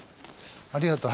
ありがとう。